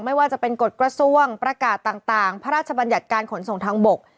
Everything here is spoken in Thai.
ไม่ว่าจะเป็นกฎกระทรวงประกาศต่างพระราชบัญญัติการขนส่งทางบก